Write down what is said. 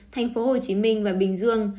thành phố hồ chí minh và bình dương